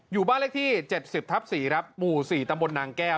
อยู่บ้านเลขที่๗๐ทับ๔ครับหมู่๔ตำบลนางแก้ว